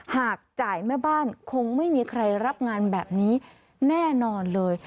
หากจ่ายแม่บ้านคงไม่มีใครรับงานแบบนี้แน่นอนเลย